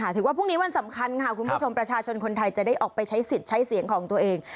ถือว่าพรุ่งนี้วันสำคัญค่ะคุณผู้ชมประชาชนคนไทยจะได้ออกไปใช้สิทธิ์ใช้เสียงของตัวเอง